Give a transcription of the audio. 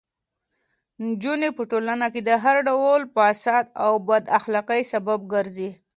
نجونې په ټولنه کې د هر ډول فساد او بد اخلاقۍ سبب ګرځي.